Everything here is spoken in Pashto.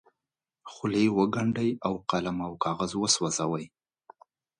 خولې وګنډي او قلم او کاغذ وسوځوي.